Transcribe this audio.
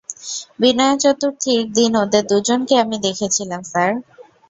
বিনায়াচতুর্থীর দিন ওদের দুজনকে আমি দেখেছিলাম, স্যার।